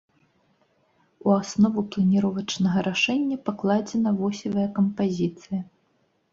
У аснову планіровачнага рашэння пакладзена восевая кампазіцыя.